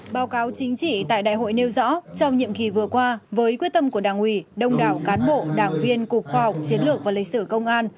báo cáo chính trị tại đại hội nêu rõ trong nhiệm kỳ vừa qua với quyết tâm của đảng ủy đông đảo cán bộ đảng viên cục khoa học chiến lược và lịch sử công an